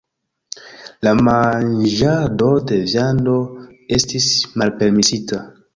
La manĝado de viando estis malpermesita.